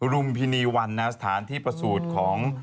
รุมพินีวันสถานที่ประสูจน์ของ